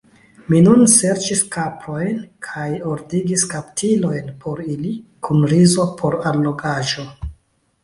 Mi nun serĉis kaprojn, kaj ordigis kaptilojn por ili, kun rizo por allogaĵo.